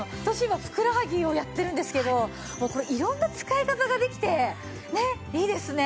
今ふくらはぎをやってるんですけどこれ色んな使い方ができていいですね。